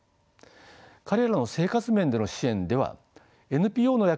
彼らの生活面での支援ではＮＰＯの役割も重要です。